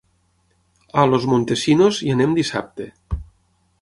A Los Montesinos hi anem dissabte.